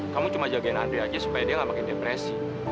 kamu cuma jagain andri aja supaya dia gak makin depresi